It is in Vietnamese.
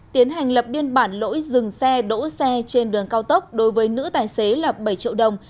tiến hành lập biên bản lỗi dừng xe đỗ xe trên đường cao tốc đối với nữ tài xế là bảy triệu đồng